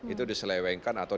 itu diselewengkan atau